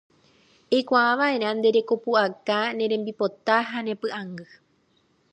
Eikuaava'erã nde rekopu'aka, ne rembipota ha ne py'akangy